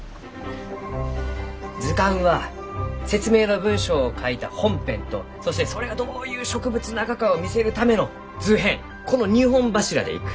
図鑑は説明の文章を書いた本編とそしてそれがどういう植物ながかを見せるための図編この２本柱でいく。